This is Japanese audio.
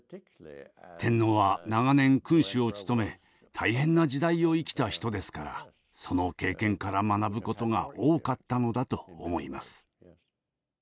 天皇は長年君主を務め大変な時代を生きた人ですからその経験から学ぶことが多かったのだと思います。